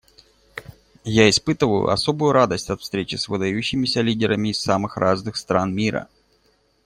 Я испытываю особую радость от встречи с выдающимися лидерами из самых разных стран мира.